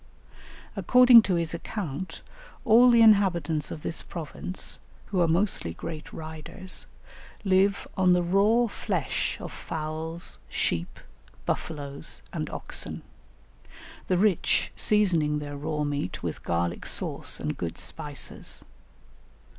According to his account all the inhabitants of this province, who are mostly great riders, live on the raw flesh of fowls, sheep, buffaloes, and oxen; the rich seasoning their raw meat with garlic sauce and good spices.